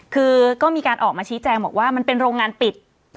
คือก็มีการออกมาชี้แจงบอกว่ามันเป็นโรงงานปิด